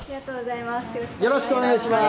よろしくお願いします。